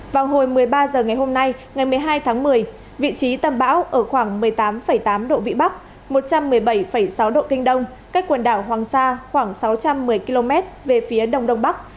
vào hồi một mươi ba h ngày hôm nay ngày một mươi hai tháng một mươi vị trí tâm bão ở khoảng một mươi tám tám độ vĩ bắc một trăm một mươi bảy sáu độ kinh đông cách quần đảo hoàng sa khoảng sáu trăm một mươi km về phía đông đông bắc